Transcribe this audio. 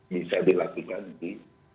bisa dilakukan di